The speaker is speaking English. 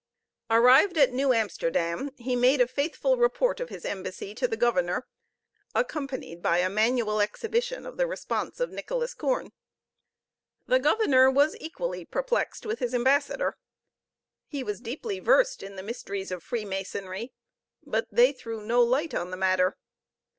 Arrived at New Amsterdam, he made a faithful report of his embassy to the governor, accompanied by a manual exhibition of the response of Nicholas Koorn. The governor was equally perplexed with his ambassador. He was deeply versed in the mysteries of freemasonry, but they threw no light on the matter.